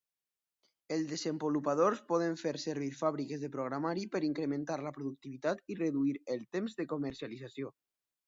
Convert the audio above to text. El desenvolupadors poden fer servir fàbriques de programari per incrementar la productivitat i reduir el temps de comercialització.